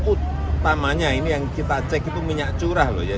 utamanya ini yang kita cek itu minyak curah loh ya